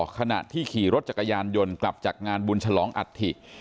ขณะที่ขี่รถจักรยานยนต์กลับจากงานบุญฉลองอัฐิ